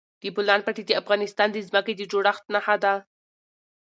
د بولان پټي د افغانستان د ځمکې د جوړښت نښه ده.